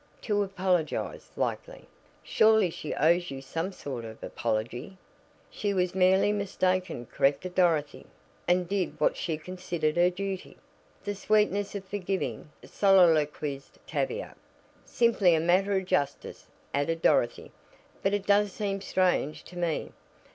"To apologize, likely. Surely she owes you some sort of apology." "She was merely mistaken," corrected Dorothy, "and did what she considered her duty." "The sweetness of forgiving," soliloquized Tavia. "Simply a matter of justice," added Dorothy. "But it does seem strange to me.